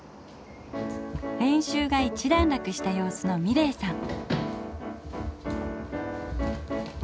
練習が一段落した様子の美礼さん。